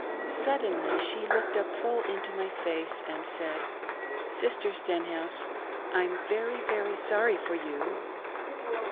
Suddenly she looked up full into my face and said, " Sister StenLouse ; I'm very, very sorry for you."